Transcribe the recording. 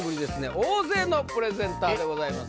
大勢のプレゼンターでございます